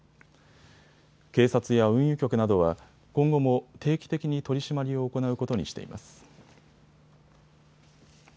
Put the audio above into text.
警察や運輸局などは今後も定期的に取締りを行うことにしています。